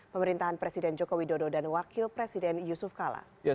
pemerintahan presiden jokowi dodo dan wakil presiden yusuf kala